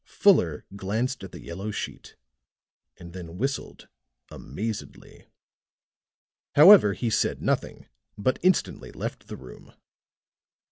Fuller glanced at the yellow sheet, and then whistled, amazedly; however, he said nothing, but instantly left the room.